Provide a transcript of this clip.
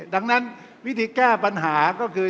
ดังนั้นวิธีแก้ปัญหาก็คือ